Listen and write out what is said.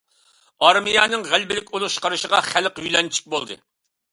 ئارمىيەنىڭ غەلىبىلىك ئۇرۇش قىلىشىغا خەلق يۆلەنچۈك بولدى.